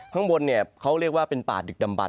ข้างบนเนี่ยเขาเรียกว่าเป็นป่าดึกดำบัน